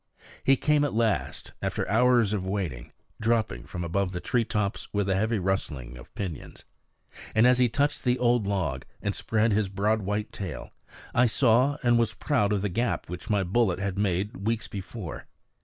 He came at last, after hours of waiting, dropping from above the tree tops with a heavy rustling of pinions. And as he touched the old log, and spread his broad white tail, I saw and was proud of the gap which my bullet had made weeks before.